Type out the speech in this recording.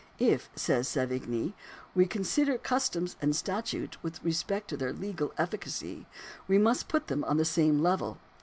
" If," says Savigny,^ " we consider cus toms and statutes with respect to their legal efficacy, we must put them on the same level.